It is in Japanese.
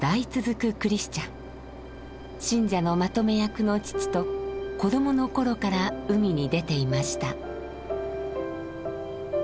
信者のまとめ役の父と子どもの頃から海に出ていました。